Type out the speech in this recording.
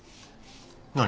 何？